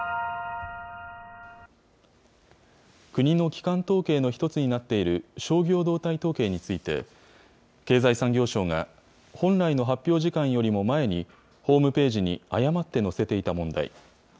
国の基幹統計の一つになっている、商業動態統計について、経済産業省が、本来の発表時間よりも前に、ホームページに誤って載せていた問題。